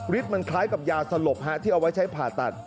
มันคล้ายกับยาสลบที่เอาไว้ใช้ผ่าตัด